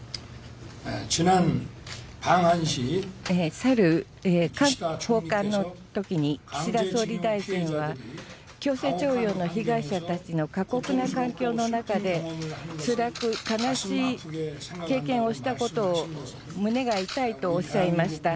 さる訪韓のときに岸田総理大臣は、強制徴用の被害者たちの過酷な環境の中でつらく悲しい経験をしたことを胸が痛いとおっしゃいました。